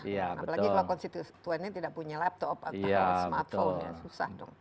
apalagi kalau konstituennya tidak punya laptop atau smartphone ya susah dong